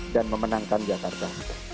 dan memenangkan jakarta